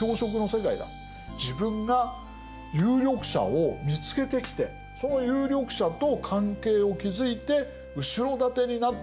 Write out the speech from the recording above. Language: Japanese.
自分が有力者を見つけてきてその有力者と関係を築いて後ろ盾になってもらう。